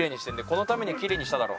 このためにきれいにしただろ？